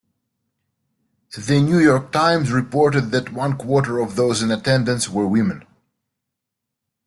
The "New York Times" reported that one-quarter of those in attendance were women.